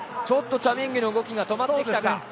ちょっとチャ・ミンギュの動きが止まってきたか。